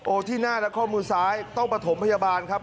ที่หน้าและข้อมือซ้ายต้องประถมพยาบาลครับ